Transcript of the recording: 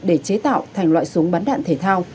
để chế tạo thành loại súng bắn đạn thể thao